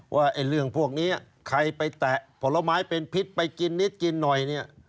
ว่าเรื่องพวกนี้ใครไปแตะผลไม้เป็นพิษไปกินนิดกินหน่อยเนี่ย